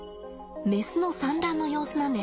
メスの産卵の様子なんです。